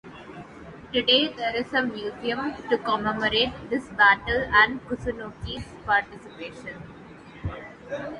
Today there is a museum to commemorate this battle and Kusunoki's participation.